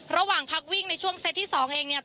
ระหว่างพักวิ่งในช่วงเซตที่๒เองเนี่ย